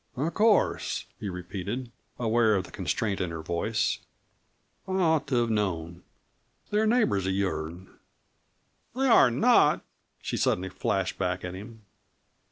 "Of course," he repeated, aware of the constraint in her voice. "I ought to have known. They're neighbors of your'n." "They are not!" she suddenly flashed back at him.